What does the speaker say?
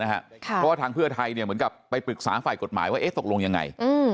เพราะว่าทางเพื่อไทยเหมือนกับไปปรึกษาฝ่ายกฎหมายว่าตกลงยังไง